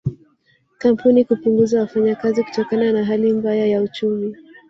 Kampuni kupunguza wafanyakazi kutokana na hali mbaya ya uchumi